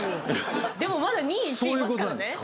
でもまだ２位１位いますからね。